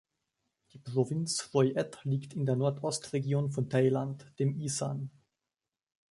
Die Provinz Roi Et liegt in der Nordostregion von Thailand, dem Isan.